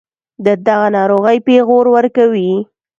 دَدغه ناروغۍپېغور ورکوي